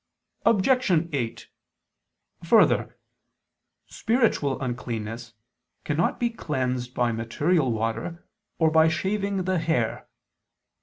Obj. 8: Further, spiritual uncleanness cannot be cleansed by material water or by shaving the hair.